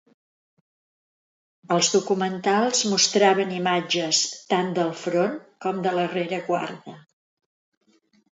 Els documentals mostraven imatges tant del front com de la rereguarda.